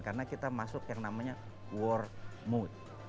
karena kita masuk yang namanya war mode